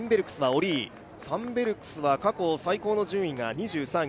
サンベルクスは過去最高の順位が２３位。